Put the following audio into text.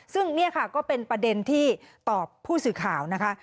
ซึ่งนี่ค่ะก็เป็นประเด็นที่ตอบผู้สื่อข่าวนะคะ